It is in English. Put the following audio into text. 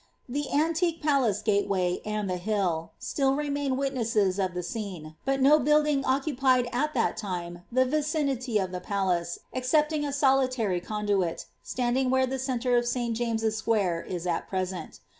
The antique palace gateway, and the hill, still remain witnesses of the scene, but no building occupied at that time the vicinity of the palace, excepting a •oliiary conduit, standing where the centre of St. James's Square is at present.